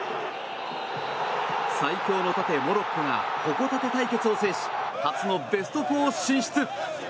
最強の盾モロッコが矛盾対決を制し初のベスト４進出。